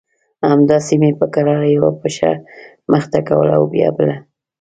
همداسې مې په کراره يوه پښه مخته کوله او بيا بله.